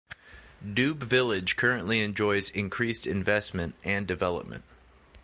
Dube Village currently enjoys increased investment and development.